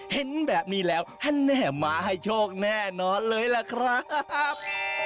เห็นแบบนี้แล้วท่านแน่มาให้โชคแน่นอนเลยล่ะครับ